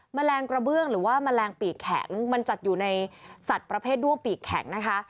แมลงกระเบื้องหรือว่าแมลงปีกแข็งมันจัดอยู่ในสัตว์ประเภทด้วงปีกแข็งนะคะ